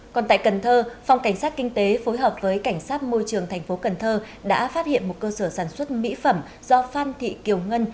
còn tại cần thơ phòng cảnh sát kinh tế phối hợp với cảnh sát môi trường thành phố cần thơ đã phát hiện một cơ sở sản xuất mỹ phẩm do phan thị kiều ngân